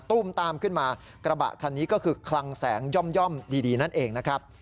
ุ่มตามขึ้นมากระบะคันนี้ก็คือคลังแสงย่อมดีนั่นเองนะครับ